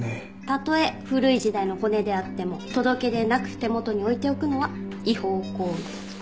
たとえ古い時代の骨であっても届け出なく手元に置いておくのは違法行為です。